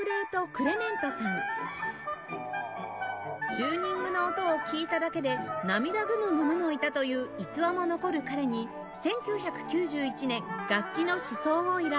チューニングの音を聴いただけで涙ぐむ者もいたという逸話も残る彼に１９９１年楽器の試奏を依頼